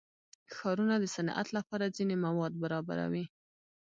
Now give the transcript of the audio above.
ښارونه د صنعت لپاره ځینې مواد برابروي.